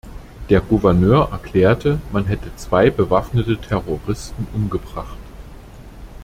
Der Gouverneur erklärte, man hätte zwei bewaffnete Terroristen umgebracht.